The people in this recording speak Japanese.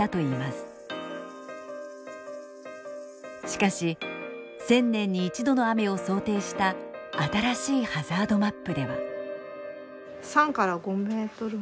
しかし１０００年に１度の雨を想定した新しいハザードマップでは。